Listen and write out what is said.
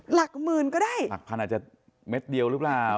หลักหมื่นก็ได้หลักพันอาจจะเม็ดเดียวหรือเปล่า